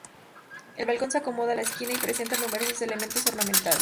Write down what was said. El balcón se acomoda a la esquina y presenta numerosos elementos ornamentales.